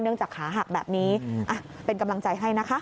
จากขาหักแบบนี้เป็นกำลังใจให้นะคะ